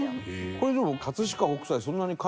これでも。